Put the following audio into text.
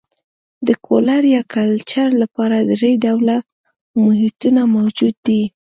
د کرلو یا کلچر لپاره درې ډوله محیطونه موجود دي.